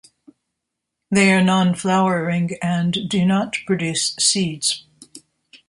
They are non-flowering and do not produce seeds.